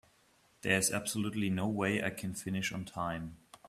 There is absolutely no way I can finish on time.